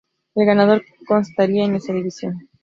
El ganador constaría en esa división.